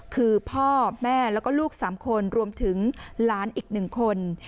คือพ่อแม่แล้วก็ลูกสามคนรวมถึงล้านอีกหนึ่งคน